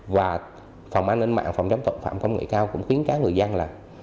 và phòng an ninh mạng phòng chống tội phạm công nghệ cao cũng khuyến cáo người dân là